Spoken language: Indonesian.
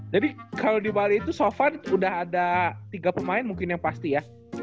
jadi kalau di bali itu so far udah ada tiga pemain mungkin yang pasti ya